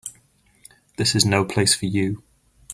This is no place for you.